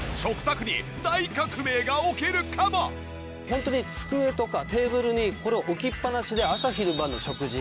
ホントに机とかテーブルにこれを置きっぱなしで朝昼晩の食事